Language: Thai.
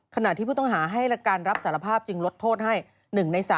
ขณะที่ผู้ต้องหาให้การรับสารภาพจึงลดโทษให้๑ใน๓